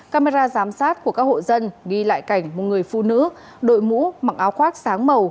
camera giám sát của các hộ dân ghi lại cảnh một người phụ nữ đội mũ mặc áo khoác sáng màu